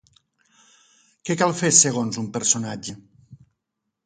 Què cal fer, segons un personatge?